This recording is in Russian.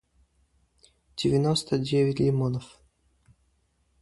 девяносто девять лимонов